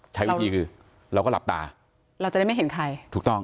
ใช้วิธีคือเราก็หลับตาเราจะได้ไม่เห็นใครถูกต้อง